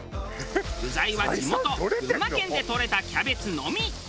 具材は地元群馬県でとれたキャベツのみ。